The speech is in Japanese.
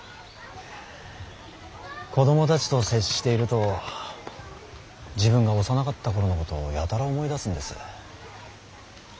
子供たちと接していると自分が幼かった頃のことをやたら思い出すんです。